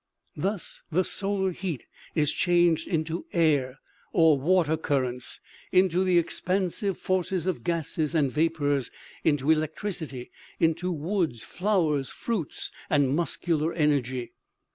" Thus the solar heat is changed into air or water currents, into the expansive force of gases and vapors, into electricity, into woods, flowers, fruits and muscular energy.